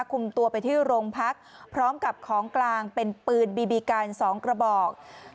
คุมตัวไปที่โรงพักพร้อมกับของกลางเป็นปืนบีบีกัน๒กระบอก